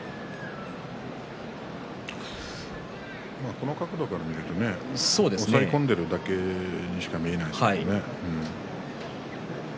この角度から見ると押さえ込んでいるだけにしか見えないね。